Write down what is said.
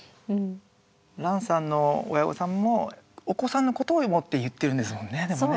ランさんの親御さんもお子さんのことを思って言ってるんですもんねでもね。